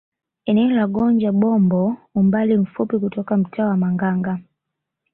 Eneo la Gonja Bombo umbali mfupi kutoka mtaa wa Manganga